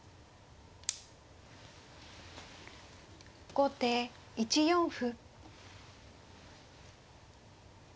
後手１四歩。